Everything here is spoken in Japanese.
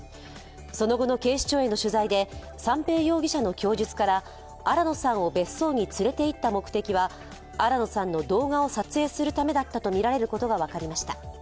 その後の警視庁への取材で三瓶容疑者の供述から新野さんを別荘に連れていった目的は新野さんの動画を撮影するためだったとみられることが分かりました。